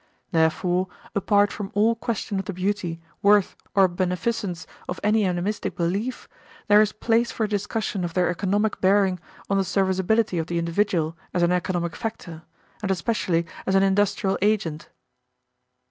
Therefore, apart from all question of the beauty, worth, or beneficence of any animistic belief, there is place for a discussion of their economic bearing on the serviceability of the individual as an economic factor, and especially as an industrial agent.